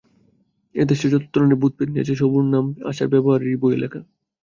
এ-দেশে যত ধরনের ভূত-পেত্নী আছে সবুর নাম, আচার-ব্যবহার বইয়ে লেখা।